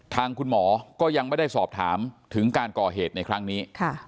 ทางคุณหมอก็ยังไม่ได้สอบถามถึงการก่อเหตุในครั้งนี้